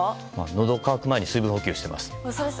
のど乾く前に水分補給して意味明日。